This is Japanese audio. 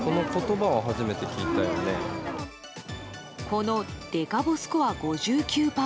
この、デカボスコア５９％。